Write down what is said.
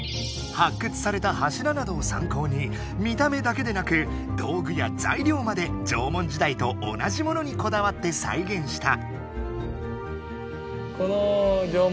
発掘された柱などを参考に見た目だけでなく道具やざいりょうまで縄文時代と同じものにこだわってさいげんした。